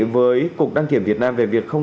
với cục đăng kiểm việt nam về việc không